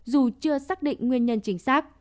dù chưa xác định nguyên nhân chính xác